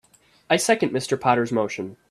I second Mr. Potter's motion.